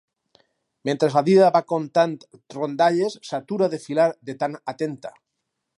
Mentres la dida va contant rondalles, s'atura de filar de tan atenta.